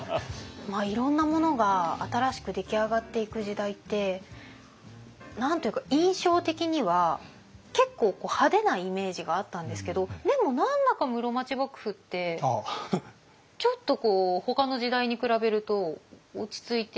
いろんなものが新しく出来上がっていく時代って何と言うか印象的には結構派手なイメージがあったんですけどでも何だか室町幕府ってちょっとこうほかの時代に比べると落ち着いている印象ありますよね。